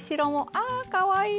あかわいいね。